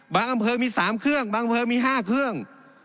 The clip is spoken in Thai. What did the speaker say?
อำเภอมี๓เครื่องบางอำเภอมี๕เครื่อง